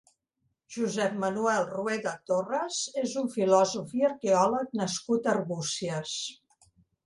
Josep Manuel Rueda Torres és un filòsof i arqueòleg nascut a Arbúcies.